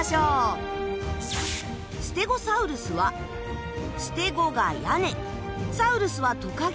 ステゴサウルスはステゴが屋根サウルスはトカゲ。